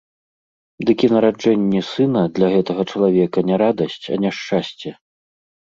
Дык і нараджэнне сына для гэтага чалавека не радасць, а няшчасце.